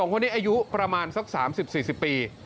คนนี้อายุประมาณสัก๓๐๔๐ปี